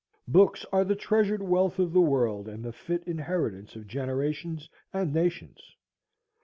Books are the treasured wealth of the world and the fit inheritance of generations and nations.